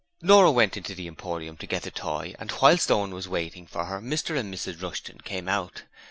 Nora went into the Emporium to get the toy and whilst Owen was waiting for her Mr and Mrs Rushton came out.